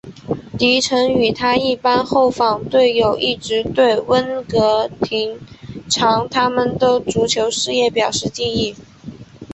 迪臣与他一班后防队友一直对温格延长他们的足球事业表示敬意。